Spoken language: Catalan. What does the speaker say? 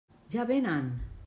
Ja vénen!